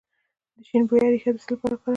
د شیرین بویې ریښه د څه لپاره وکاروم؟